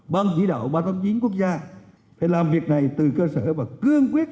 ban chỉ đạo ba trăm tám mươi chín quốc gia phải làm việc này từ cơ sở và cương quyết